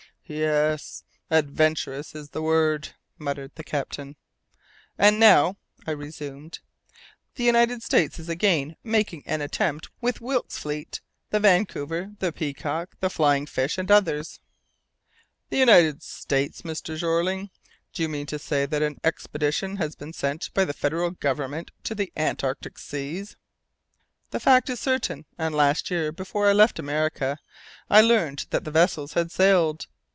"Yes adventurous is the word!" muttered the captain. "And now," I resumed, "the United States is again making an attempt with Wilkes's fleet, the Vancouver, the Peacock, the Flying Fish, and others." "The United States, Mr. Jeorling? Do you mean to say that an expedition has been sent by the Federal Government to the Antarctic seas?" "The fact is certain, and last year, before I left America, I learned that the vessels had sailed.